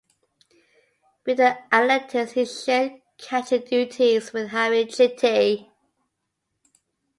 With the Athletics, he shared catching duties with Harry Chiti.